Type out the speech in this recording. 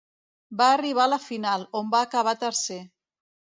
Va arribar a la final, on va acabar tercer.